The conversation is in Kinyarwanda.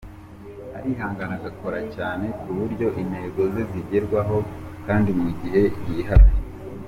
Arihangana agakora cyane ku buryo intego ze zigerwaho kandi mu gihe yihaye.